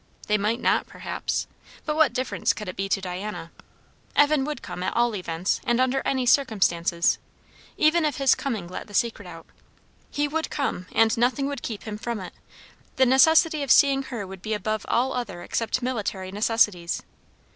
They might not, perhaps. But what difference could it be to Diana? Evan would come, at all events, and under any circumstances; even if his coming let the secret out; he would come, and nothing would keep him from it; the necessity of seeing her would be above all other except military necessities.